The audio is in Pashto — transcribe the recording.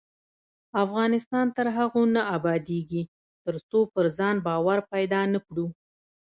افغانستان تر هغو نه ابادیږي، ترڅو پر ځان باور پیدا نکړو.